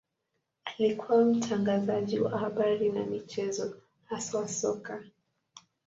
Alikuwa mtangazaji wa habari na michezo, haswa soka.